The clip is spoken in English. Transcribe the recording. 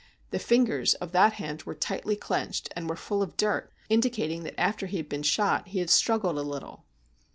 The fingers of that hand were tightly clenched, and were full of dirt, in dicating that after he had been shot he had struggled a little.